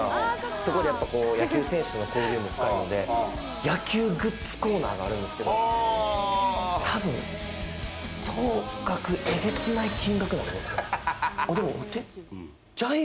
そこで野球選手の交流も深いんで、野球グッズコーナーがあるんですけど、たぶん総額えげつない金額なんです。